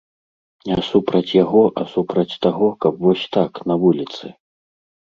Не супраць яго, а супраць таго, каб вось так, на вуліцы.